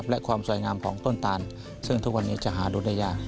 และความสวยงามของต้นตาลซึ่งทุกวันนี้จะหาดูได้ยาก